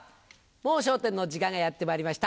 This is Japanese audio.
『もう笑点』の時間がやってまいりました。